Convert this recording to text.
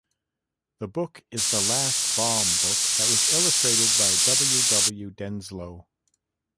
The book is the last Baum book that was illustrated by W. W. Denslow.